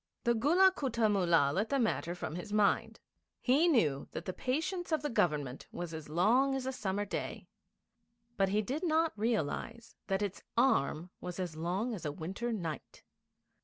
The Gulla Kutta Mullah let the matter from his mind. He knew that the patience of the Government was as long as a summer day; but he did not realise that its arm was as long as a winter night.